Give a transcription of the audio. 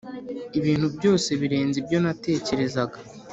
ibintu byose birenze ibyo natekerezaga